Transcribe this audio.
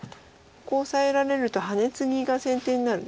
ここオサえられるとハネツギが先手になるので。